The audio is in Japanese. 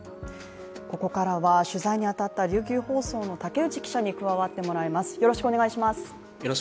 ここからは取材に当たった琉球放送の竹内記者に加わってもらいます。